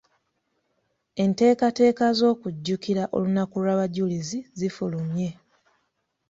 Enteekateeka z’okujjukira olunaku lw’abajulizi zifulumye.